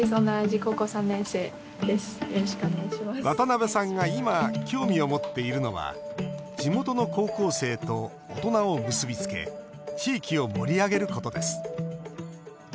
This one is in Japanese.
渡邉さんが今、興味を持っているのは地元の高校生と大人を結び付け地域を盛り上げることです。